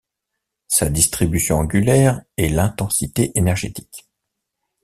Sa distribution angulaire est l'intensité énergétique.